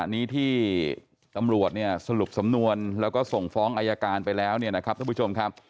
อันนี้ที่ตำรวจเนี่ยสรุปสำนวนแล้วก็ส่งฟ้องอายการไปแล้วเนี่ยนะครับท่านผู้ชมครับ